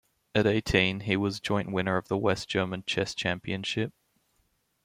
At eighteen, he was joint winner of the West German Chess Championship.